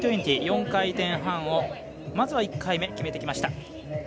４回転半をまずは１回目決めてきました。